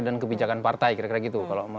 dan kebijakan partai kira kira gitu kalau